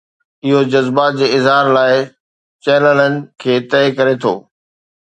اهو جذبات جي اظهار لاء چينلن کي طئي ڪري ٿو.